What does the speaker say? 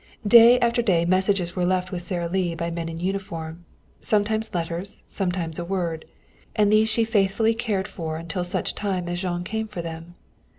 Day after day messages were left with Sara Lee by men in uniform sometimes letters, sometimes a word. And these she faithfully cared for until such time as Jean came for them.